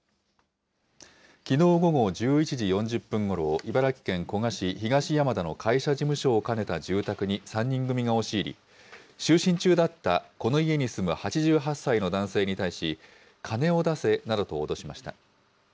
きのう午後１１時４０分ごろ、茨城県古河市東山田の会社事務所を兼ねた住宅に３人組が押し入り、就寝中だったこの家に住む８８歳の男性に対し、金を出せなどと脅しました。